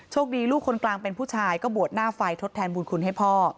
คดีลูกคนกลางเป็นผู้ชายก็บวชหน้าไฟทดแทนบุญคุณให้พ่อ